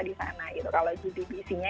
di sana gitu kalau gdpc nya